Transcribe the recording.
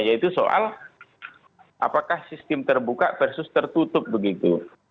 yaitu soal apakah sistem terbuka versus tertutup begitu